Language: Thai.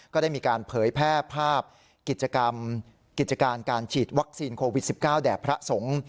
ก็ได้มีการเผยแพร่ภาพกิจกรรมกิจการการฉีดวัคซีนโควิด๑๙แด่พระสงฆ์